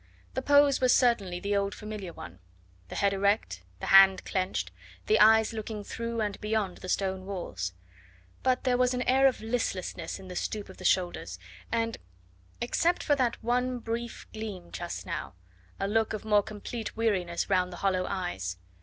The pose was certainly the old familiar one, the head erect, the hand clenched, the eyes looking through and beyond the stone walls; but there was an air of listlessness in the stoop of the shoulders, and except for that one brief gleam just now a look of more complete weariness round the hollow eyes!